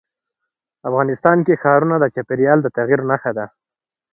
افغانستان کې ښارونه د چاپېریال د تغیر نښه ده.